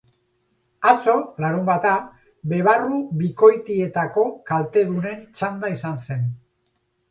Atzo, larunbata, bebarru bikoitietako kaltedunen txanda izan zen.